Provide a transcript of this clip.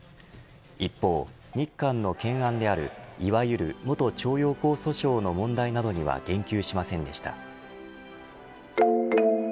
一方、日韓の懸案であるいわゆる元徴用工訴訟の問題などには言及しませんでした。